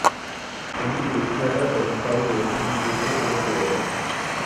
On dit que l’esclavage a disparu de la civilisation européenne.